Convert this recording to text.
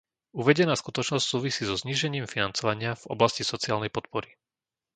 Uvedená skutočnosť súvisí so znížením financovania v oblasti sociálnej podpory.